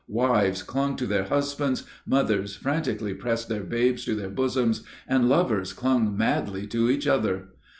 Wives clung to their husbands, mothers frantically pressed their babes to their bosoms, and lovers clung madly to each other.